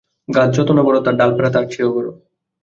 গাছ যত-না বড়, তার ডালপালা তার চেয়েও বড়।